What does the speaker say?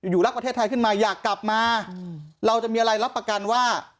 อยู่รักประเทศไทยขึ้นมาอยากกลับมาเราจะมีอะไรรับประกันว่า